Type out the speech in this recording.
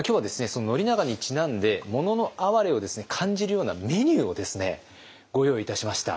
その宣長にちなんで「もののあはれ」を感じるようなメニューをですねご用意いたしました。